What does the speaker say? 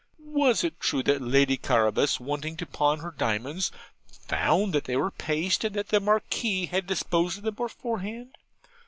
'Was it true that Lady Carabas, wanting to pawn her diamonds, found that they were paste, and that the Marquis had disposed of them beforehand?'